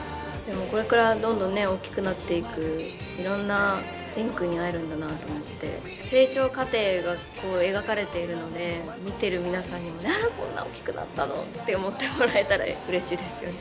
これからどんどん大きくなっていくいろんな蓮くんに会えるんだなと思って成長過程がこう描かれているので見てる皆さんにもこんな大きくなったのって思ってもらえたらうれしいですよね。